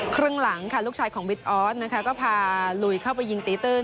ครึ่งหลังลูกชายของวิทย์ออสพาลุยเข้าไปยิงตีตื้น